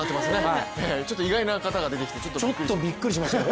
ちょっと意外な方が出てきてびっくりしましたね。